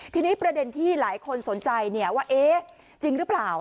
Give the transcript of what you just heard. ทีนี้ประเด็นที่หลายคนสนใจว่าเอ๊ะจริงหรือเปล่า